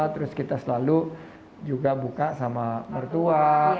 terus kita selalu juga buka sama mertua